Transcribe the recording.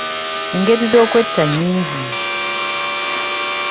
Engeri z'okwetta nnyingi